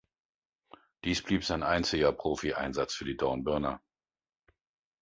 Dies blieb sein einziger Profieinsatz für die Dornbirner.